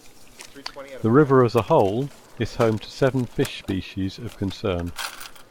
The river as a whole is home to seven fish species of concern.